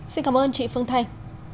xin cảm ơn chị phương thành